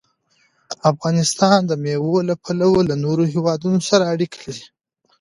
افغانستان د مېوو له پلوه له نورو هېوادونو سره اړیکې لري.